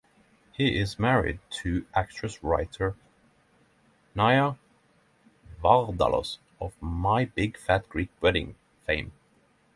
He is married to actress-writer Nia Vardalos of "My Big Fat Greek Wedding" fame.